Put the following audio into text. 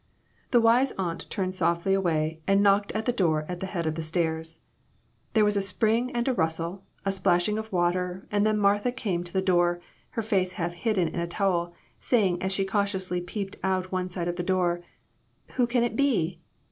The wise aunt turned softly away and knocked at the door at the head of the stairs. There was a spring and a rustle, a splashing of water, and then Martha came to the door, her face half hid den in a towel, saying as she cautiously peeped out one side of the door "Who can it be?